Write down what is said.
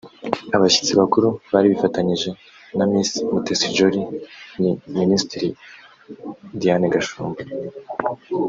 Abashyitsi bakuru bari bifatanyije na Miss Mutesi Jolly ni Minisitiri Diane Gashumba